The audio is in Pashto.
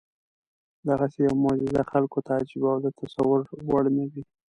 دغسې یوه معجزه خلکو ته عجیبه او د تصور وړ نه وه.